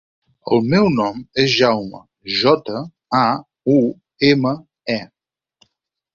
El meu nom és Jaume: jota, a, u, ema, e.